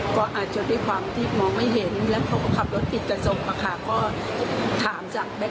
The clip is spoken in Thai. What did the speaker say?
ก็ไม่ทราบว่าตรงนี้ถ้าเกิดเราจะมีการแจ้งเตือน